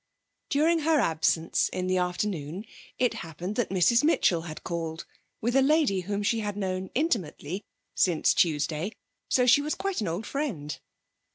During her absence in the afternoon, it happened that Mrs Mitchell had called, with a lady whom she had known intimately since Tuesday, so she was quite an old friend.